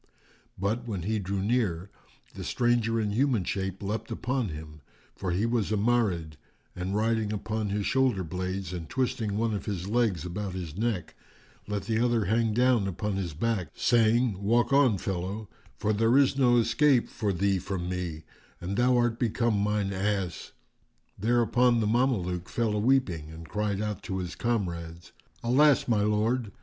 But, when he drew near, the stranger in human shape leapt upon him, for he was a Marid,[FN#401] and riding upon his shoulderblades and twisting one of his legs about his neck, let the other hang down upon his back, saying, "Walk on, fellow; for there is no escape for thee from me and thou art become mine ass." Thereupon the Mameluke fell a weeping and cried out to his comrades, "Alas, my lord!